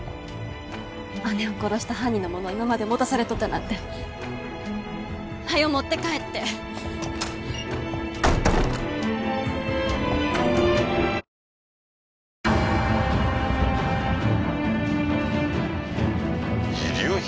姉を殺した犯人のものを今まで持たされとったなんてはよ持って帰って☎遺留品？